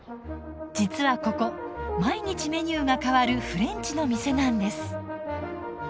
実はここ毎日メニューが変わるフレンチの店なんです。